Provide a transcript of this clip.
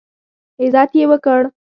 عزت یې وکړ.